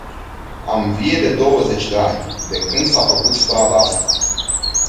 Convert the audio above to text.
Am vie de douăzeci de ani, de când s-a făcut strada asta.